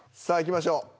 さあいきましょう。